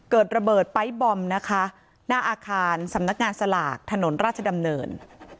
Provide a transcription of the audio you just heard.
เกิดระเบิดไป๊บอมนะคะหน้าอาคารสำนักงานสลากถนนราชดำเนิน